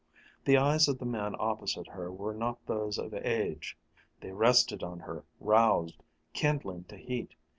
The eyes of the man opposite her were not those of age. They rested on her, roused, kindling to heat.